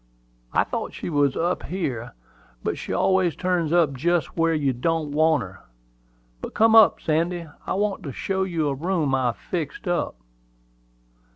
"I thought she was up here; but she always turns up just where you don't want her. But come up, Sandy; I want to show you a room I've fixed up."